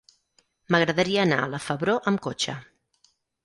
M'agradaria anar a la Febró amb cotxe.